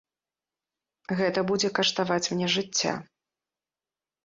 Гэта будзе каштаваць мне жыцця.